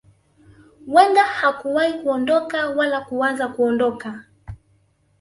wenger hakuwahi kuondoka wala kuwaza kuondoka